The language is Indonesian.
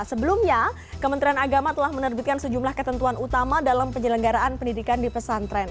sebelumnya kementerian agama telah menerbitkan sejumlah ketentuan utama dalam penyelenggaraan pendidikan di pesantren